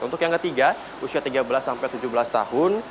untuk yang ketiga usia tiga belas sampai tujuh belas tahun